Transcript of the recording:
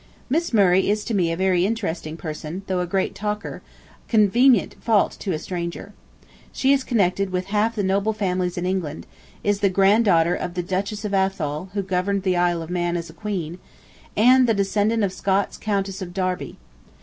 Miss Murray is to me a very interesting person, though a great talker; a convenient fault to a stranger. She is connected with half the noble families in England, is the grand daughter of the Duchess of Athol, who governed the Isle of Man as a queen, and the descendant of Scott's Countess of Derby.